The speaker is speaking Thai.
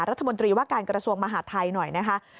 รัฐมนตรีว่าการกรสวงศ์มหาทัยหน่อยนะครับ